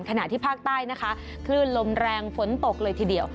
ขณะที่ภาคใต้นะคะคลื่นลมแรงฝนตกเลยทีเดียว